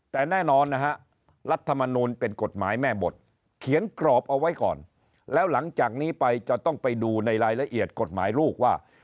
แต่แน่นอนนะฮะรัฐมนูลเป็นกฎหมายแม่บทเขียนกรอบเอาไว้ก่อนแล้วหลังจากนี้ไปจะต้องไปดูในรายละเอียดกฎหมายลูกว่า